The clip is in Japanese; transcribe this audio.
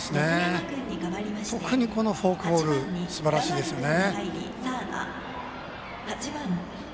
特にこのフォークボールすばらしいですね。